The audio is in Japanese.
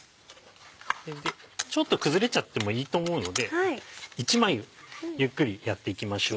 ちょっと崩れちゃってもいいと思うので１枚ゆっくりやっていきましょう。